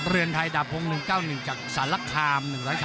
เรือนไทยดับพรง๑๙๑จากสรรคาม